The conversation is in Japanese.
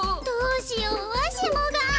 どうしようわしもが。